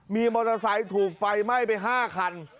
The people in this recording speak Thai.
มีมอเตอร์ไซค์ถูกไฟไหม้ไป๕คัน